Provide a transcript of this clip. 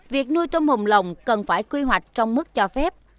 việc nuôi tôm hùm lồng cần phải quy hoạch trong mức cho phép